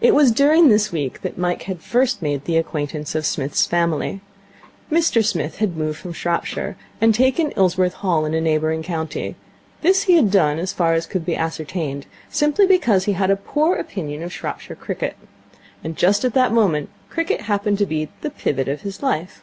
It was during this week that Mike had first made the acquaintance of Psmith's family. Mr Smith had moved from Shropshire, and taken Ilsworth Hall in a neighbouring county. This he had done, as far as could be ascertained, simply because he had a poor opinion of Shropshire cricket. And just at the moment cricket happened to be the pivot of his life.